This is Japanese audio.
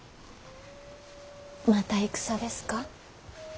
また戦ですか。